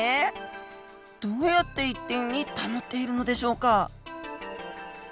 どうやって一定に保っているのでしょうか？